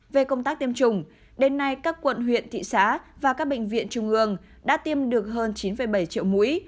về công tác tiêm chủng đến nay các quận huyện thị xã và các bệnh viện trung ương đã tiêm được hơn chín bảy triệu mũi